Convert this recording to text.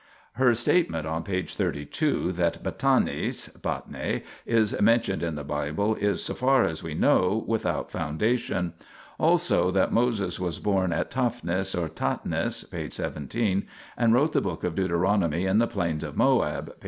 }. Her statement on p. 32 that Batanis (Batnae) is mentioned in the Bible is, so far as we know, without foundation : l also that Moses was born at Taphnis or Tatnis (p. 17), and wrote the book of Deuteronomy in the plains of Moab (p.